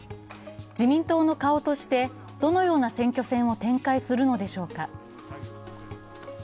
自民党の顔としてどのような選挙戦を展開するのでしょうか。